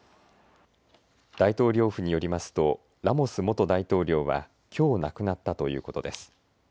大統領府によりますとラモス元大統領はきょう亡くなったということです。